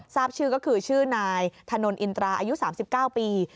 ทราบชื่อก็คือชื่อนายถนนอินตราอายุ๓๙ปี